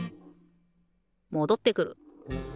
もどってくる。